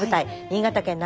新潟県お！